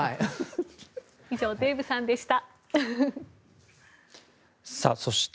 以上デーブさんでした。